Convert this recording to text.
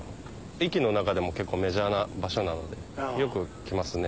壱岐の中でも結構メジャーな場所なのでよく来ますね。